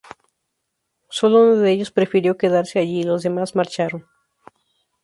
Sólo uno de ellos prefirió quedarse allí, los demás marcharon.